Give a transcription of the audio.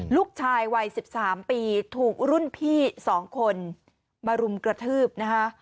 ลูกชายวัยสิบสามปีถูกรุ่นพี่สองคนบารุมกระทืบนะฮะ